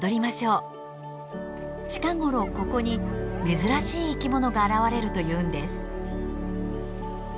近頃ここに珍しい生き物が現れるというんです。